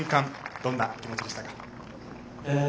どんな気持ちでしたか？